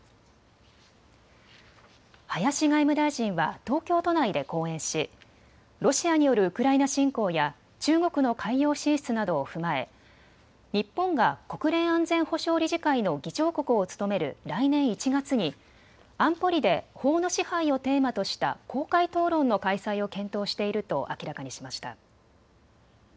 林外務大臣は東京都内で講演しロシアによるウクライナ侵攻や中国の海洋進出などを踏まえ日本が国連安全保障理事会の議長国を務める来年１月に安保理で法の支配をテーマとした公開討論の開催を検討していると明らかにしました。